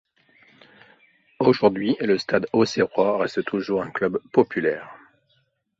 Aujourd'hui, le Stade auxerrois reste toujours un club populaire.